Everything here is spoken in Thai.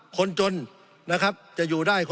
สงบจนจะตายหมดแล้วครับ